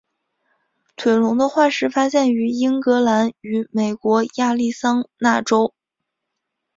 腿龙的化石发现于英格兰与美国亚利桑那州。